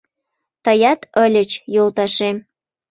Тыят ыльыч, йолташем.